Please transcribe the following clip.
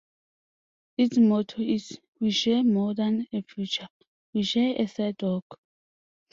Its motto is "We share more than a future, we share a sidewalk".